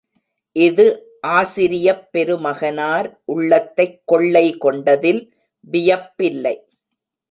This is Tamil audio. இது ஆசிரியப் பெருமகனார் உள்ளத்தைக் கொள்ளை கொண்டதில் வியப்பில்லை.